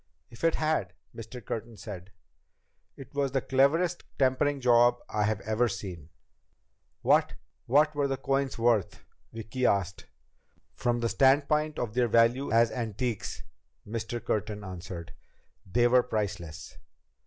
"If it had," Mr. Curtin said, "it was the cleverest tampering job I've ever seen." "What what were the coins worth?" Vicki asked. "From the standpoint of their value as antiques," Mr. Curtin answered, "they were priceless.